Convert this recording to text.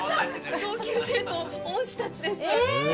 同級生と恩師たちです。